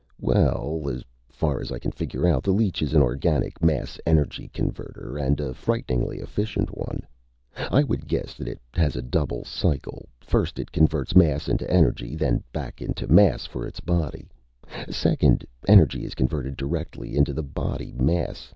"Well, as far as I can figure out, the leech is an organic mass energy converter, and a frighteningly efficient one. I would guess that it has a double cycle. First, it converts mass into energy, then back into mass for its body. Second, energy is converted directly into the body mass.